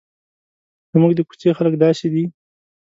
زموږ د کوڅې خلک داسې دي.